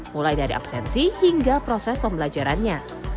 mulai dari absensi hingga proses pembelajarannya